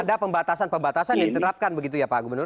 ada pembatasan pembatasan yang diterapkan begitu ya pak gubernur